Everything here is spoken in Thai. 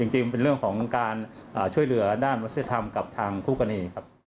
จริงเป็นเรื่องของการช่วยเหลือด้านมนุษยธรรมกับทางคู่กรณีครับ